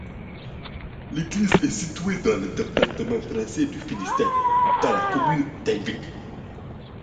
L'église est située dans le département français du Finistère, dans la commune d'Henvic.